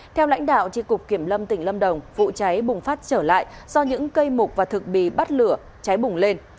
theo lãnh đạo tri cục kiểm lâm tỉnh lâm đồng vụ cháy bùng phát trở lại do những cây mục và thực bì bắt lửa cháy bùng lên